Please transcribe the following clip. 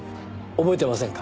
覚えてませんか？